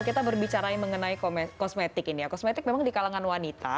kita berbicara mengenai kosmetik ini ya kosmetik memang di kalangan wanita